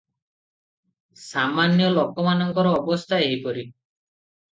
ସାମାନ୍ୟ ଲୋକମାନଙ୍କର ଅବସ୍ଥା ଏହିପରି ।